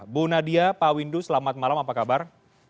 bu nadia pak windu selamat malam apa kabar